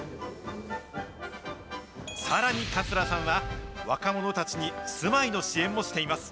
さらに、桂さんは若者たちに住まいの支援もしています。